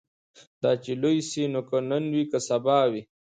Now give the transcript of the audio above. دا چي لوی سي نو که نن وي که سبا وي